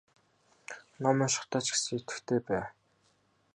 Ном уншихдаа ч гэсэн идэвхтэй бай.